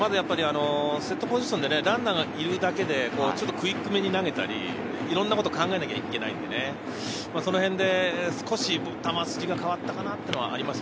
セットポジションでランナーがいるだけで、ちょっとクイックめに投げたり、いろんなことを考えなきゃいけないので、少し球筋が変わったかなっていうのはあります。